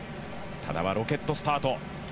多田はロケットスタート。